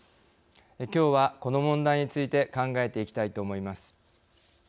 きょうはこの問題について考えていきたいと思います。